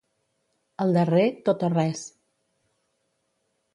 Al darrer, tot o res.